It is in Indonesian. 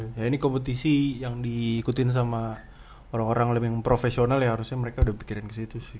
ya ini kompetisi yang diikutin sama orang orang lebih profesional ya harusnya mereka udah pikirin ke situ sih